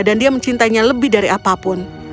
dan dia mencintainya lebih dari apapun